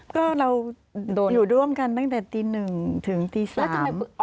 ก็เราอยู่ร่วมกันตั้งแต่ตีหนึ่งถึงตี๓